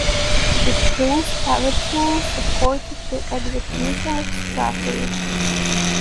The Prince Palatine supported the execution of Strafford.